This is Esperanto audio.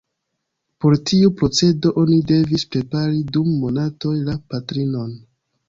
Por tiu procedo oni devis prepari dum monatoj la patrinon.